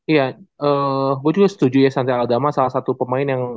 iya gua juga setuju ya santialdama salah satu pemain yang